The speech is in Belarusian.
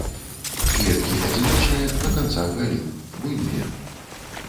Кветкі адзіночныя, на канцах галін, буйныя.